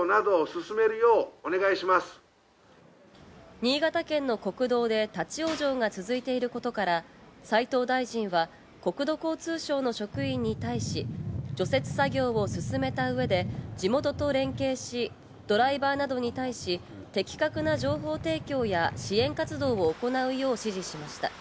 新潟県の国道で立ち往生が続いていることから、斉藤大臣は国土交通省の職員に対し、除雪作業を進めたうえで地元と連携し、ドライバーなどに対し的確な情報提供や支援活動を行うよう指示しました。